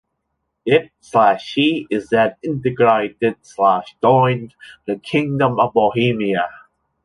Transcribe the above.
It/He is then integrated/joined the kingdom of Bohemia.